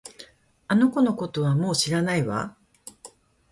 あの子のことはもう知らないわ